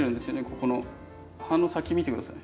ここの葉の先見て下さい。